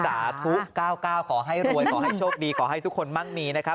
สาธุ๙๙ขอให้รวยขอให้โชคดีขอให้ทุกคนมั่งมีนะครับ